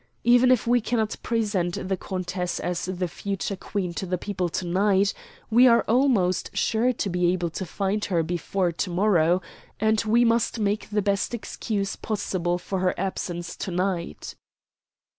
"Even if we cannot present the countess as the future Queen to the people to night, we are almost sure to be able to find her before to morrow; and we must make the best excuse possible for her absence to night."